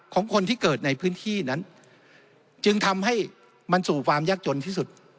ของคนที่เกิดในพื้นที่นั้นจึงทำให้มันสู่ความยากจนที่สุด